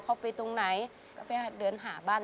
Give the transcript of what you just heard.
คุณหมอบอกว่าเอาไปพักฟื้นที่บ้านได้แล้ว